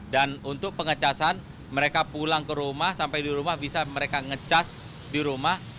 dan untuk pengecasan mereka pulang ke rumah sampai di rumah bisa mereka ngecas di rumah